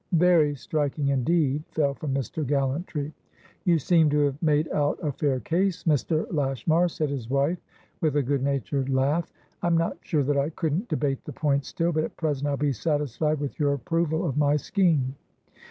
"Very striking indeed!" fell from Mr. Gallantry. "You seem to have made out a fair case, Mr. Lashmar," said his wife, with a good natured laugh. "I'm not sure that I couldn't debate the point still, but at present I'll be satisfied with your approval of my scheme."